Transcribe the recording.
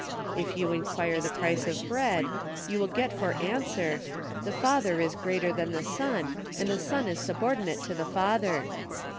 If you inquire the price of bread, you will get for answer, 'The Father is greater than the Son, and the Son is subordinate to the Father.'